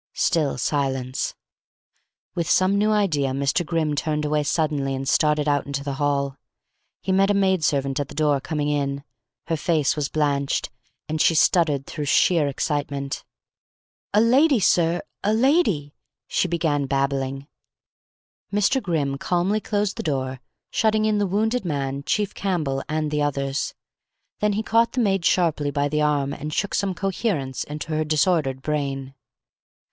Still silence. With some new idea Mr. Grimm turned away suddenly and started out into the hall. He met a maid servant at the door, coming in. Her face was blanched, and she stuttered through sheer excitement. "A lady, sir a lady " she began babblingly. Mr. Grimm calmly closed the door, shutting in the wounded man, Chief Campbell and the others. Then he caught the maid sharply by the arm and shook some coherence into her disordered brain.